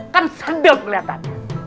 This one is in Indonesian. kan sedih kelihatan